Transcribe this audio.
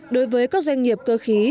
đối với các doanh nghiệp cơ khí